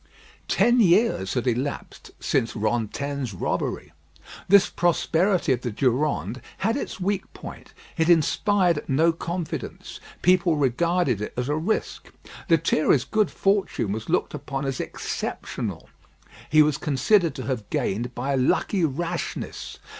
Ten years had elapsed since Rantaine's robbery. This prosperity of the Durande had its weak point. It inspired no confidence. People regarded it as a risk. Lethierry's good fortune was looked upon as exceptional. He was considered to have gained by a lucky rashness.